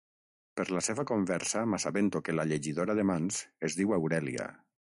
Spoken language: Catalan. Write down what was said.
Per la seva conversa m'assabento que la llegidora de mans es diu Aurèlia.